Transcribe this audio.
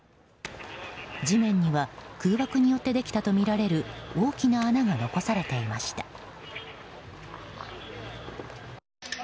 地面には空爆によってできたとみられる大きな穴が残されていました。